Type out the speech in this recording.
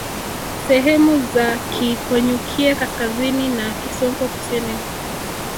Sehemu za Keekonyukie kaskazini na Kisonko kusini